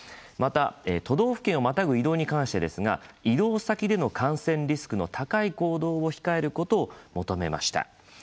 また、都道府県をまたぐ移動に関してですが移動先での感染リスクの高い行動を控えることを求めました。